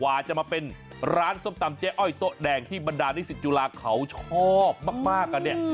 กว่าจะมาเป็นร้านส้มตำเจ๊อ้อยโต๊ะแดงที่บรรดานิสิตจุฬาเขาชอบมากกันเนี่ย